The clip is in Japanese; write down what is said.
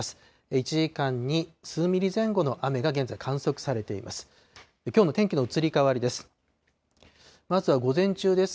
１時間に数ミリ前後の雨が現在、観測されています。